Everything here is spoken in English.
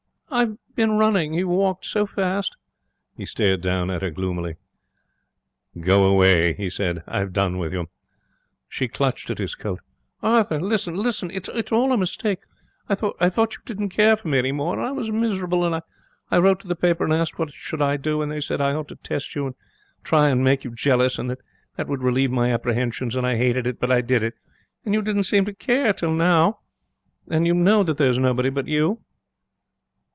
'I've been running. You walked so fast.' He stared down at her gloomily. 'Go away,' he said. 'I've done with you.' She clutched at his coat. 'Arthur, listen listen! It's all a mistake. I thought you you didn't care for me any more, and I was miserable, and I wrote to the paper and asked what should I do, and they said I ought to test you and try and make you jealous, and that that would relieve my apprehensions. And I hated it, but I did it, and you didn't seem to care till now. And you know that there's nobody but you.'